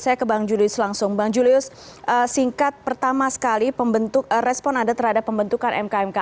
saya ke bang julius langsung bang julius singkat pertama sekali respon anda terhadap pembentukan mk mk